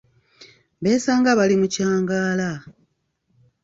Beesanga bali mu kyangaala.